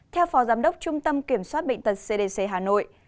theo phó giám đốc trung tâm kiểm soát bệnh tật cdc hà nội